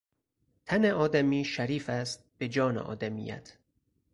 تن آدمی شریف است به جان آدمیت